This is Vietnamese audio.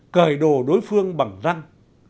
cởi đồ đối phương bằng răng